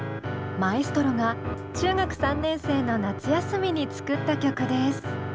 マエストロが中学３年生の夏休みに作った曲です。